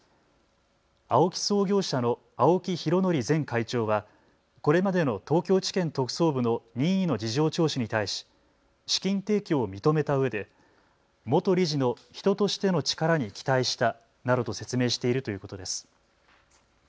ＡＯＫＩ創業者の青木拡憲前会長はこれまでの東京地検特捜部の任意の事情聴取に対し資金提供を認めたうえで元理事の人としての力に期待したなどと説明しているということです。